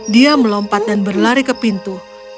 dia melompat dan berlari ke pintu